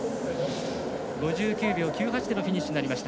５９秒９８でのフィニッシュになりました。